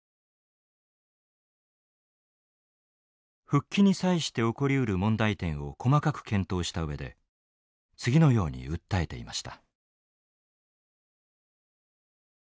復帰に際して起こりうる問題点を細かく検討した上で次のように訴えていました。